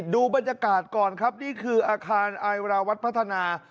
ดูบรรยากาศก่อนครับนี่คืออาคารไอราวัตรพัฒนา